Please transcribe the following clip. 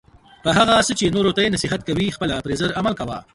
په هغه څه چې نورو ته یی نصیحت کوي خپله پری زر عمل کوه